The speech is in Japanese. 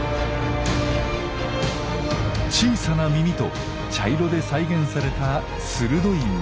小さな耳と茶色で再現された鋭い目つき。